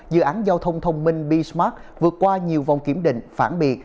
dự án giao thông thông minh besmart vượt qua nhiều vòng kiểm định phản biệt